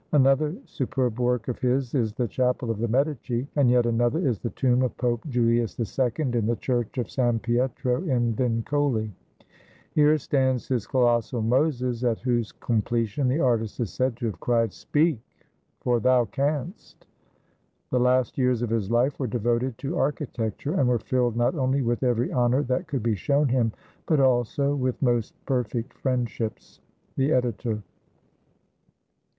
Another superb work of his is the Chapel of the Medici; and yet another is the tomb of Pope Julius II, in the Church of San Pietro in Vincoli. Here stands his colossal "Moses," at whose completion the artist is said to have cried, "Speak, for thou canst!" The last years of his life were devoted to architecture, and were filled not only with every honor that could be shown him, but also with most perfect friendships. The Editor.